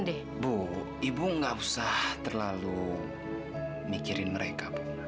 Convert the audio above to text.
ibu ibu nggak usah terlalu mikirin mereka